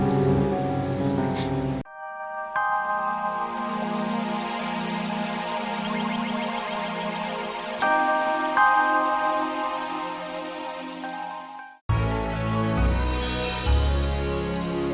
kita tidak bisa